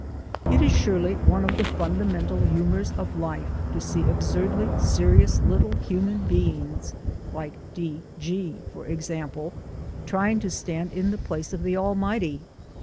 It is surely one of the fundamental humours of life to see absurdly serious little human beings (like D. G. for example) trying to stand in the place of the Almighty.